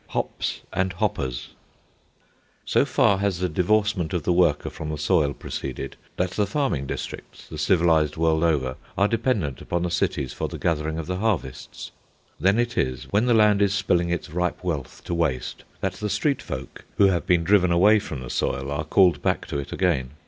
HOPS AND HOPPERS So far has the divorcement of the worker from the soil proceeded, that the farming districts, the civilised world over, are dependent upon the cities for the gathering of the harvests. Then it is, when the land is spilling its ripe wealth to waste, that the street folk, who have been driven away from the soil, are called back to it again.